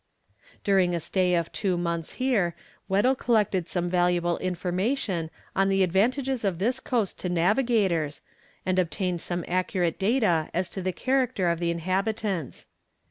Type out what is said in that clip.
During a stay of two months here, Weddell collected some valuable information on the advantages of this coast to navigators, and obtained some accurate data as to the character of the inhabitants.